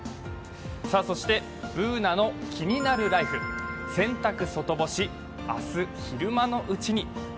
そして、「ＢｏｏｎａのキニナルＬＩＦＥ」洗濯外干し、明日昼間のうちに。